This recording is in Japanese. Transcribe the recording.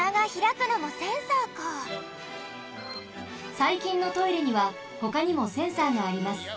さいきんのトイレにはほかにもセンサーがあります。